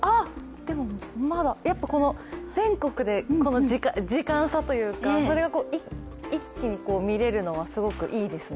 全国で時間差というか、それが一気に見れるのはすごくいいですね。